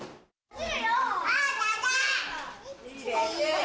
いいよ。